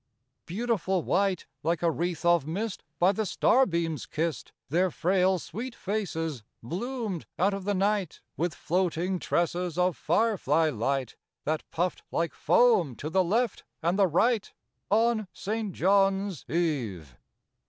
Beautiful white, Like a wreath of mist by the starbeams kissed, Their frail, sweet faces bloomed out of the night, With floating tresses of firefly light, That puffed like foam to the left and the right, On St. John's Eve.